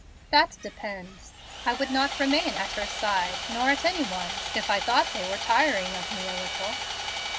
"That depends. I would not remain at her side, nor at any one's, if I thought they were tiring of me a little."